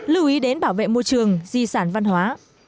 lưu ý đến bảo vệ môi trường di sản văn hóa